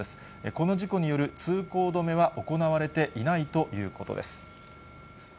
この事故による通行止めは行われていないということです。